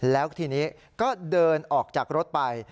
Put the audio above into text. แล้วทีนี้ก็เดินออกจากรถไป